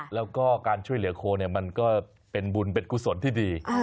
แล้วก็การช่วยเหลือโคมันก็เป็นบุญเป็นกุศลที่ดี